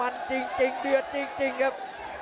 มันจริงเดือดจริงครับ